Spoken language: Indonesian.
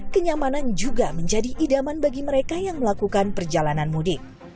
kenyamanan juga menjadi idaman bagi mereka yang melakukan perjalanan mudik